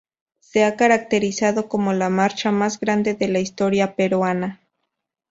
Se ha caracterizado como la marcha más grande de la historia peruana.